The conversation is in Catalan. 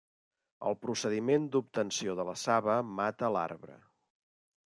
El procediment d'obtenció de la saba mata l'arbre.